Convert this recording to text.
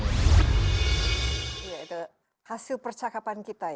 iya itu hasil percakapan kita ya